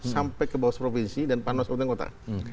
sampai ke bawah provinsi dan panas utang kota